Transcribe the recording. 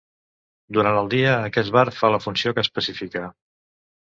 Durant el dia, aquest bar fa la funció que especifica.